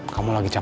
kamu lagi siap